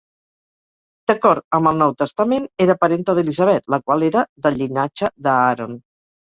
D'acord amb el Nou Testament era parenta d'Elisabet, la qual era del llinatge d'Aaron.